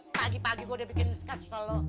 pagi pagi gue udah bikin kesel lo